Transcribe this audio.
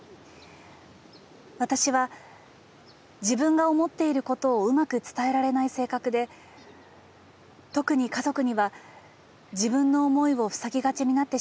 私は自分が思っていることをうまく伝えられない性格で特に家族には自分の思いを塞ぎがちになってしまいます。